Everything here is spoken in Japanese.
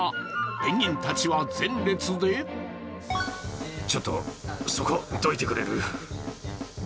ペンギンたちは前列でちょっとそこ、どいてくれる？